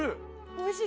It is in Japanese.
おいしい！